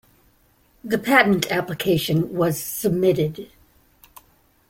The patent application was submitted.